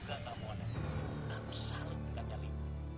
aku salah bukan nyali